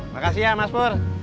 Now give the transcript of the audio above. makasih ya mas pur